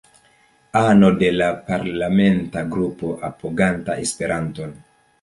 Ano de la Parlamenta Grupo Apoganta Esperanton.